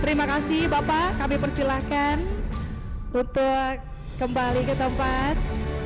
terima kasih bapak kami persilahkan untuk kembali ke tempat